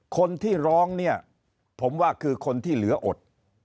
คนที่ร้องเนี่ยผมว่าคือคนที่เหลืออด